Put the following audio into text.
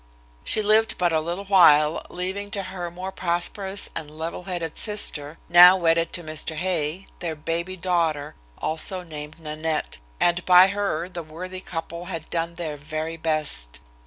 She lived but a little while, leaving to her more prosperous and level headed sister, now wedded to Mr. Hay, their baby daughter, also named Nanette, and by her the worthy couple had done their very best.